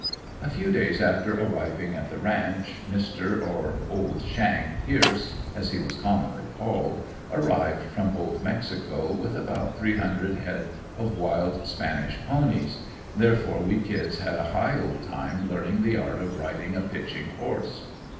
A few days after arriving at the ranch Mr. or "Old Shang" Pierce as he was commonly called, arrived from Old Mexico with about three hundred head of wild spanish ponies, therefore we kids had a high old time learning the art of riding a "pitching" horse.